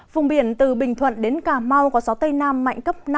vùng biển từ bình thuận đến cà mau có gió tây nam mạnh cấp năm